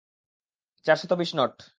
চারশত বিশ নট!